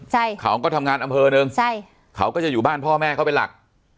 ใช่เขาก็ทำงานอำเภอหนึ่งใช่เขาก็จะอยู่บ้านพ่อแม่เขาเป็นหลัก